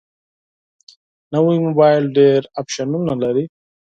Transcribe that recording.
نوی موبایل ډېر اپشنونه لري